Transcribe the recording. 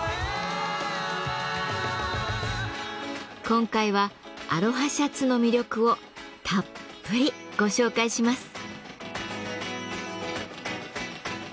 今回はアロハシャツの魅力をたっぷりご紹介します。